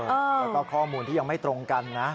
แล้วก็ข้อมูลที่ยังไม่ตรงกันนะ